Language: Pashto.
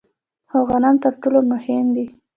خو غنم تر ټولو مهم دي.